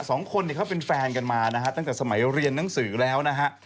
สองคนเนี่ยเขาเป็นแฟนกันมานะฮะตั้งแต่สมัยเรียนหนังสือแล้วนะฮะ